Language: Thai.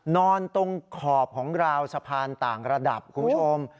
นอนตรงขอบของราวสะพานต่างระดับคุณผู้ชม